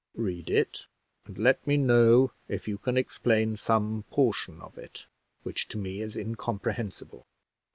Read it, and let me know if you can explain some portion of it, which to me is incomprehensible.